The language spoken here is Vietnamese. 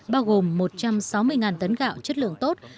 bao gồm một trăm sáu mươi tấn gạo chất lượng tốt